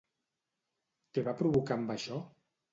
Què va provocar amb això?